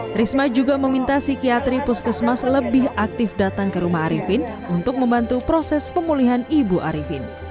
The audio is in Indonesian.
trisma juga meminta psikiatri puskesmas lebih aktif datang ke rumah arifin untuk membantu proses pemulihan ibu arifin